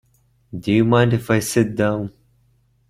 Do you mind if I sit down?